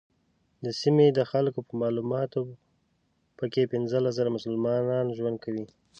د سیمې د خلکو په معلوماتو په کې پنځلس زره مسلمانان ژوند کوي.